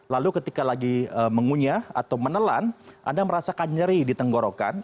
lalu ketika lagi mengunyah atau menelan anda merasakan nyeri di tenggorokan